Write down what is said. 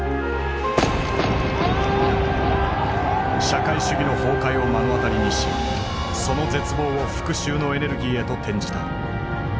社会主義の崩壊を目の当たりにしその絶望を復讐のエネルギーへと転じた。